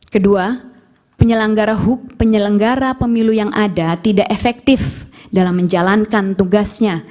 kedua penyelenggara pemilu yang ada tidak efektif dalam menjalankan tugasnya